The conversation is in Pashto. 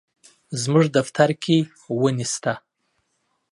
زموږ دفتر کي وني شته.